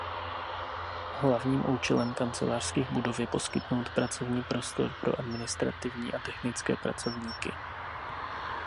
Hlavním účelem kancelářských budov je poskytnout pracovní prostor pro administrativní a technické pracovníky.